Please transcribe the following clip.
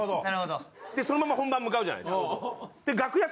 そのまま本番向かうじゃないですか。